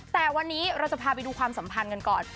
แต่วันนี้เราจะพาไปดูความสัมพันธ์กันก่อน